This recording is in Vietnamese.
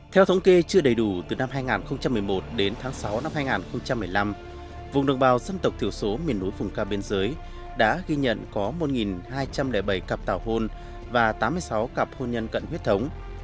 theo thống kê chưa đầy đủ từ năm hai nghìn một mươi một đến tháng sáu năm hai nghìn một mươi năm vùng đồng bào dân tộc thiểu số miền núi vùng cao biên giới đã ghi nhận có một hai trăm linh bảy cặp tàu hôn và tám mươi sáu cặp hôn nhân cận huyết thống